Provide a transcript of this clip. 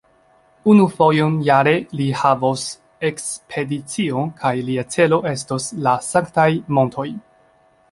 Unu fojon jare li havos ekspedicion kaj lia celo estos la sanktaj montoj.